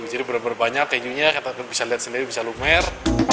jadi benar benar banyak kejunya kita bisa lihat sendiri bisa lumer